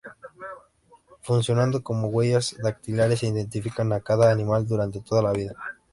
Funcionando como huellas dactilares, identifican a cada animal durante toda la vida.